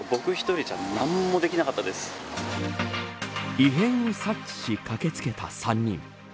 異変を察知し駆け付けた３人。